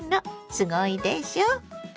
すごいでしょ。